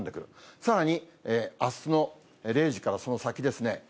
さらにあすの０時からその先ですね。